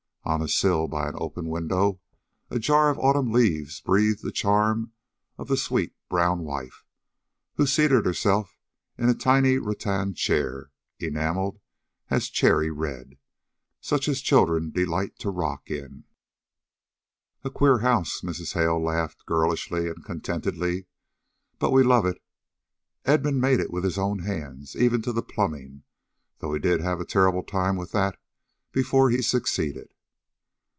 On a sill by an open window, a jar of autumn leaves breathed the charm of the sweet brown wife, who seated herself in a tiny rattan chair, enameled a cheery red, such as children delight to rock in. "A queer house," Mrs. Hale laughed girlishly and contentedly. "But we love it. Edmund made it with his own hands even to the plumbing, though he did have a terrible time with that before he succeeded."